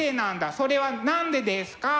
それは何でですか？